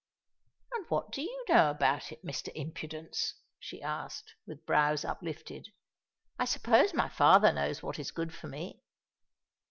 "And what do you know about it, Mr. Impudence?" she asked, with brows uplifted. "I suppose my father knows what is good for me."